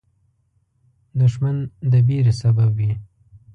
دښمن د ویرې سبب وي